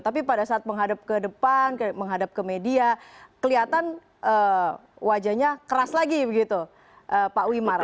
tapi pada saat menghadap ke depan menghadap ke media kelihatan wajahnya keras lagi begitu pak wimar